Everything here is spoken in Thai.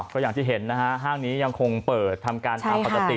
ก็อย่างที่เห็นนะฮะห้างนี้ยังคงเปิดทำการตามปกติ